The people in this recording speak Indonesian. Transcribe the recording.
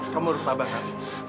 kamu harus sabar kak